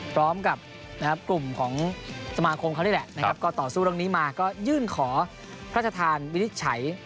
พร้อมกับกลุ่มของสมาคมเขานี่แหละนะครับก็ต่อสู้เรื่องนี้มาก็ยื่นขอพระราชทานวินิจฉัย